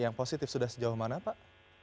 yang positif sudah sejauh mana pak